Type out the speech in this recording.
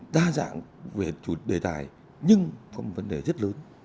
đa dạng về chủ đề tài nhưng có một vấn đề rất lớn